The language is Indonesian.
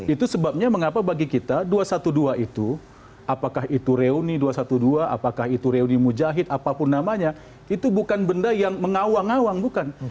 itu sebabnya mengapa bagi kita dua ratus dua belas itu apakah itu reuni dua ratus dua belas apakah itu reuni mujahid apapun namanya itu bukan benda yang mengawang awang bukan